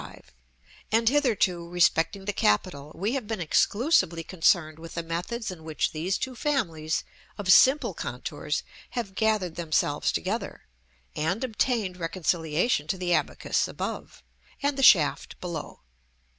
And hitherto, respecting the capital, we have been exclusively concerned with the methods in which these two families of simple contours have gathered themselves together, and obtained reconciliation to the abacus above, and the shaft below.